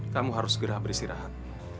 kamu harus segera beristirahat